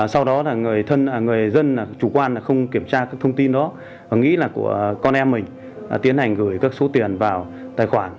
sau đó là người dân chủ quan là không kiểm tra các thông tin đó và nghĩ là của con em mình tiến hành gửi các số tiền vào tài khoản